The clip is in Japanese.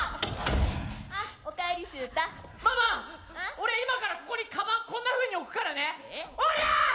俺今からここにカバンこんなふうに置くからね！